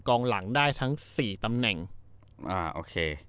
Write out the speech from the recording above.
กองหลังได้ทั้งสี่ตำแหน่งอ่าโอเค